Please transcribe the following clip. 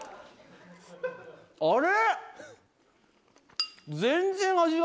あれ？